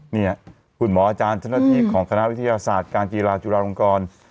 เนี่ยคุณหมออาจารย์เจ้าหน้าที่ของคณะวิทยาศาสตร์การกีฬาจุฬาลงกร